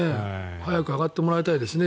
早く上がってもらいたいですね。